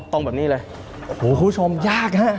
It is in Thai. ตรงแบบนี้เลยคุณผู้ชมยากฮะ